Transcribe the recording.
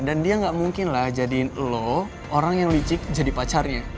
dan dia gak mungkinlah jadiin lo orang yang licik jadi pacarnya